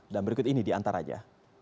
dan berikut ini di antaranya